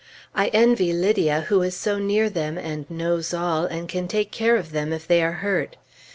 I envy Lydia who is so near them, and knows all, and can take care of them if they are hurt.